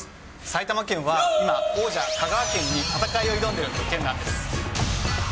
埼玉県は今、王者、香川県に戦いを挑んでいる県なんです。